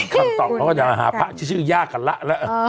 คำตอบเราจะหาพระชื่อยากกันแล้ว